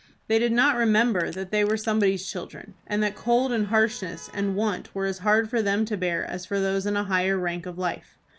They did not remember that they were somebody's children, and that cold, and harshness, and want were as hard for them to bear as for those in a higher rank of life.